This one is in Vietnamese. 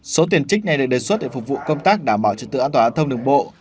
số tiền trích này được đề xuất để phục vụ công tác đảm bảo trật tự an toàn an thông đường bộ